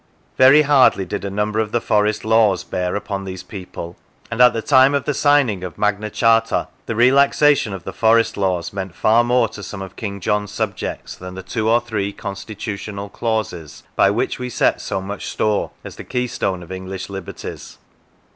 Very hardly did a number of the forest laws bear upon these people, and at the time of the signing of Magna Charta the relaxation of the forest laws meant far more to some of King John's subjects than the two or three constitutional clauses by which we set so much store as the keystone of English liberties.